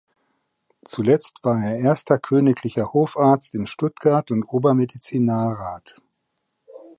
Zuletzt war er Erster königlicher Hofarzt in Stuttgart und Obermedizinalrat.